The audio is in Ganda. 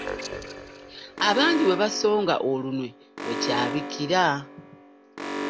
Abangi we basonga olunwe we kyabikira.